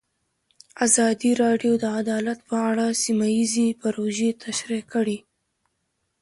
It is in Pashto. ازادي راډیو د عدالت په اړه سیمه ییزې پروژې تشریح کړې.